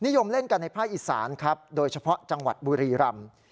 นิยมเล่นกันในภาคอีสานครับโดยเฉพาะจังหวัดบุรีรำ